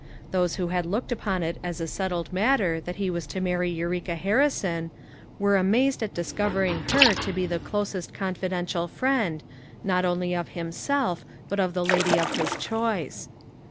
Those who had looked upon it as a settled matter that he was to marry Eureka Harrison, were amazed at discovering her to be the closest confidential friend, not only of himself but the lady of his choice.